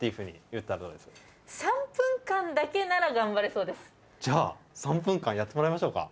そこでじゃあ３分間やってもらいましょうか。